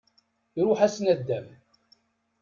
Iruḥ-as nnudam.